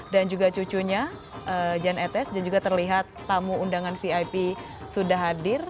juga cucunya jan etes dan juga terlihat tamu undangan vip sudah hadir